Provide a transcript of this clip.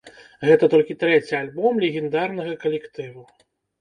Гэта толькі трэці альбом легендарнага калектыву.